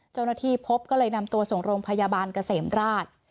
เจ้าหน้าที่พบก็เลยนำตัวส่งโรงพยาบาลเกษมราช